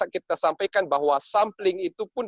kita sampaikan bahwa sampling itu pun